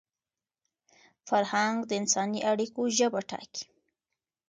فرهنګ د انساني اړیکو ژبه ټاکي.